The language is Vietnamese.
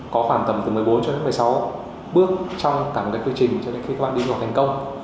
có khoảng tầm từ một mươi bốn một mươi sáu bước trong cả một cái quy trình cho đến khi các bạn đi du học thành công